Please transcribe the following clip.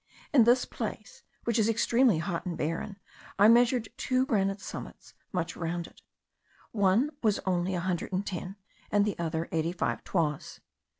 In this place, which is extremely hot and barren, I measured two granite summits, much rounded: one was only a hundred and ten, and the other eighty five, toises.